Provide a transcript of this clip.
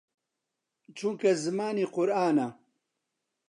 چونکە زمانی قورئانە